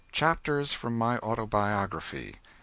CHAPTERS FROM MY AUTOBIOGRAPHY.